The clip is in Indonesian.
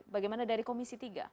bagaimana dari komisi tiga